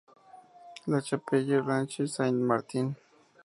La Chapelle-Blanche-Saint-Martin